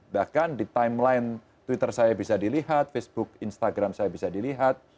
bahkan di timeline twitter saya bisa dilihat facebook instagram saya bisa dilihat